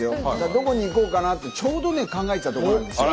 どこに行こうかなってちょうどね考えてたところなんですよ。